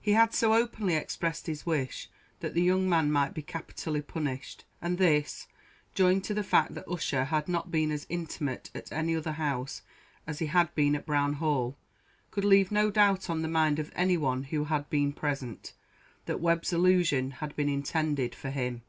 He had so openly expressed his wish that the young man might be capitally punished and this joined to the fact that Ussher had not been as intimate at any other house as he had been at Brown Hall, could leave no doubt on the mind of any one who had been present, that Webb's allusion had been intended for him.